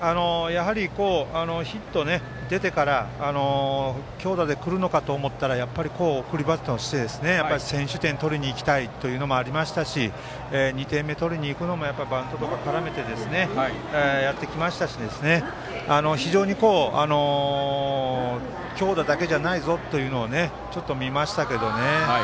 ヒットで出てから強打で来るのかと思ったら送りバントをしたりして先取点を取りにいきたいというのもありましたし２点目を取りにいくのもバントとかを絡めてやってきましたし強打だけじゃないぞというのを見ましたね。